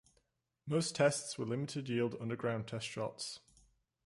Most tests were limited-yield underground test shots.